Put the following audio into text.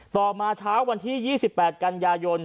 ต่อมาเช้าวันที่๒๘กันยายน